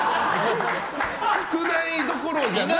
少ないどころじゃない。